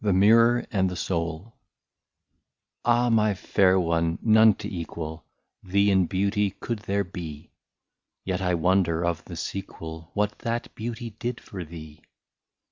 THE MIRROR AND THE SOUL. Ah, my fair one, none to equal Thee in beauty could there be ; Yet I wonder of the sequel — What that beauty did for thee